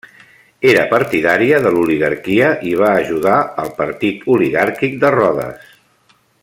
Era partidària de l'oligarquia i va ajudar el partit oligàrquic de Rodes.